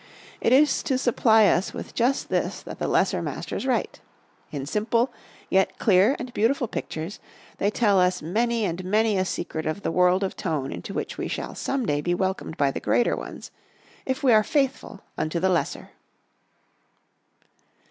It is to supply us with just this that the lesser masters write. In simple, yet clear and beautiful pictures, they tell us many and many a secret of the world of tone into which we shall some day be welcomed by the greater ones if we are faithful unto the lesser.